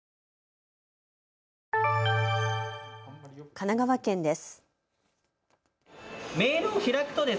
神奈川県です。